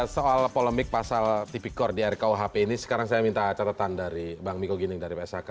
soal polemik pasal tipikor di area kuhp ini sekarang saya minta catatan dari bang miku ginting dari pshk